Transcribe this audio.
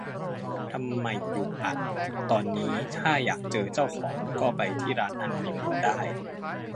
ทำใหม่อยู่อะ ตอนนี้ถ้าอยากเจอเจ้าของก็ไปที่ร้านฮันนีมูนได้